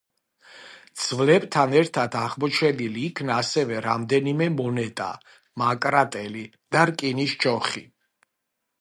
ძვლებთან ერთად აღმოჩენილი იქნა ასევე რამდენიმე მონეტა, მაკრატელი და რკინის ჯოხი.